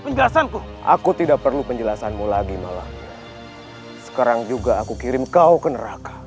penjelasanku aku tidak perlu penjelasanmu lagi malah sekarang juga aku kirim kau ke neraka